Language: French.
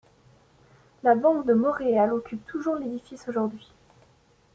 La Banque de Montréal occupe toujours l’édifice aujourd'hui.